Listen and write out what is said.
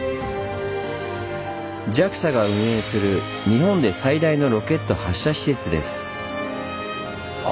ＪＡＸＡが運営する日本で最大のロケット発射施設です。